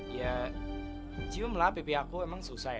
ya ciumlah pipi aku emang susah ya